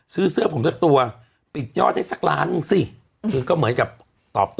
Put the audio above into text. ซื้อเสื้อผมสักตัวปิดยอดให้สักล้านหนึ่งสิคือก็เหมือนกับตอบตัว